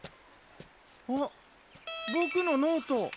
あっボクのノート。